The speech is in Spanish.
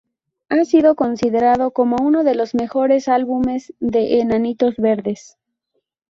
Ha sido considerado como uno de los mejores álbumes de Enanitos Verdes.